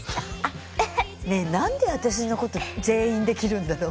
ねえ何で私のこと全員できるんだろう？